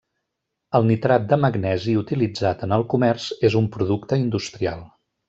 El nitrat de magnesi utilitzat en el comerç és un producte industrial.